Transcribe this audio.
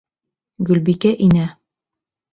Гөлбикә инә.